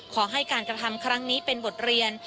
ขอให้การกระทำครั้งนี้เป็นบทเรียน